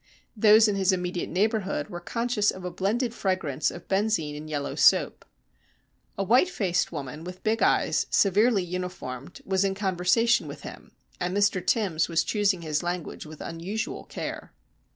Those in his immediate neighbourhood were conscious of a blended fragrance of benzine and yellow soap. A white faced woman with big eyes, severely uniformed, was in conversation with him, and Mr Timbs was choosing his language with unusual care.